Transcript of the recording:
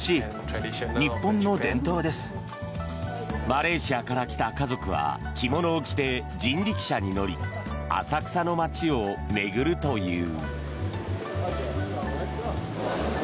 マレーシアから来た家族は着物を着て人力車に乗り浅草の街を巡るという。